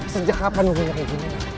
sejak kapan punya kayak gini